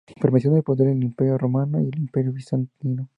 Permaneció en poder del Imperio romano y del Imperio bizantino.